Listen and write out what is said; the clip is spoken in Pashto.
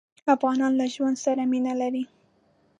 افغانان له ژوند سره مينه لري.